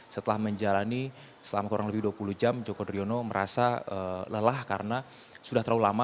setelah menjalani selama kurang lebih dua puluh jam joko driono merasa lelah karena sudah terlalu lama